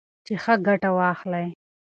چې ښه ګټه واخلئ.